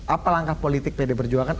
apa langkah politik pd perjuangan